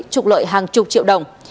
trục lợi hàng chục triệu đồng